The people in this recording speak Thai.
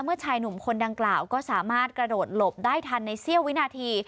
ชายหนุ่มคนดังกล่าวก็สามารถกระโดดหลบได้ทันในเสี้ยววินาที